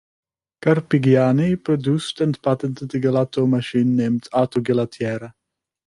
Carpigiani produced and patented a gelato machine, named "Autogelatiera".